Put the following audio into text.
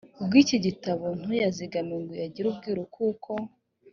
bw iki gitabo ntuyazigame ngo uyagire ubwiru kuko